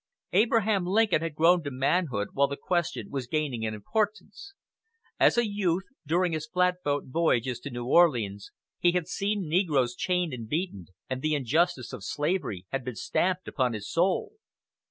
Abraham Lincoln had grown to manhood while the question was gaining in importance. As a youth, during his flatboat voyages to New Orleans he had seen negroes chained and beaten, and the injustice of slavery had been stamped upon his soul.